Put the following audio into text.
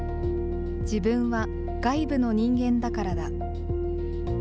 自分は、外部の人間だからだ。